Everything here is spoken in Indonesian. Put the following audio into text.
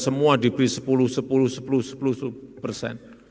semua diberi sepuluh sepuluh sepuluh sepuluh persen